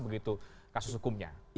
begitu kasus hukumnya